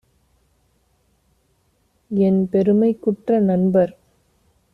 என்பெருமைக்குற்ற நண்பர்!